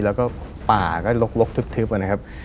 แล้วก็ป่าก็ลกทึบนะครับ